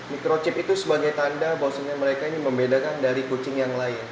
microchip itu sebagai tanda bahwa sebenarnya mereka ini membedakan dari kucing yang lain